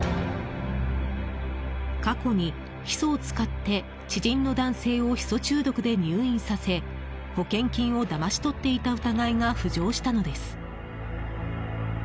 過去に、ヒ素を使って知人の男性をヒ素中毒で入院させ保険金をだまし取っていた疑いが浮上したのです。